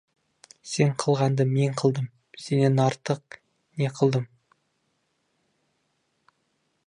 Сен қылғанды мен қылдым, сенен артық не қылдым.